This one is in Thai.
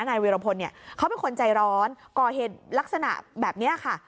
นายวีรพลเนี่ยเขาเป็นคนใจร้อนก่อเหตุลักษณะแบบนี้ค่ะ